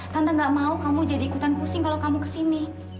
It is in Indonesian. tante gak mau kamu jadi ikutan pusing kalau kamu kesini